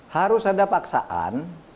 harus ada paksaan